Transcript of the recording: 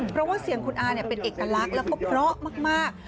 เพราะว่าเสียงคุณอาเป็นเอกลักษณ์แล้วก็เพราะมาก